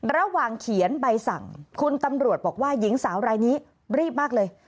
ระหว่างเขียนใบสั่งคุณตำรวจบอกว่าหญิงสาวรายนี้รีบมากเลย